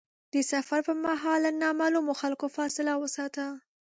د سفر پر مهال له نامعلومو خلکو فاصله وساته.